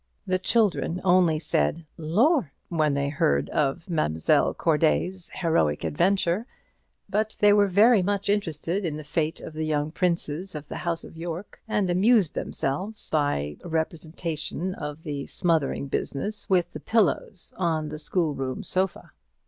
The children only said "Lor'!" when they heard of Mademoiselle Corday's heroic adventure; but they were very much interested in the fate of the young princes of the House of York, and amused themselves by a representation of the smothering business with the pillows on the school room sofa.